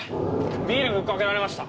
ビールぶっかけられました。